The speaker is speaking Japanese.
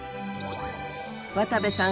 渡部さん